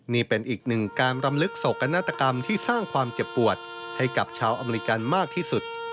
นี่เป็นอีกหนึ่งการรำลึกโศกนาฏกรรมที่สร้างความเจ็บปวดให้กับชาวอเมริกันมากที่สุด